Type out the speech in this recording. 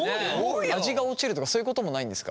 味が落ちるとかそういうこともないんですか？